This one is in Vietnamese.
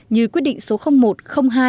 như quyết định số một hai